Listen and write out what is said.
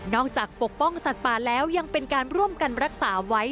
จากปกป้องสัตว์ป่าแล้วยังเป็นการร่วมกันรักษาไว้